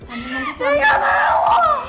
saya gak mau